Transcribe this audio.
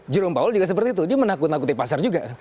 jerome powell juga seperti itu dia menakut nakuti pasar juga